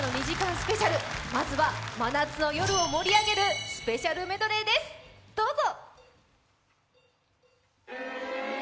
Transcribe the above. スペシャルまずは真夏の夜を盛り上げるスペシャルメドレーです、どうぞ。